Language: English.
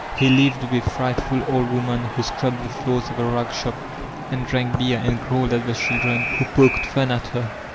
He lived with a fnghtfid old woman who scmbbed the floors of the rag shop» and drank beer, and growled at the children who poked f mi at her.